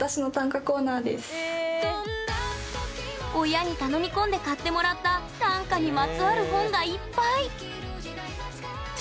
親に頼み込んで買ってもらった短歌にまつわる本がいっぱい！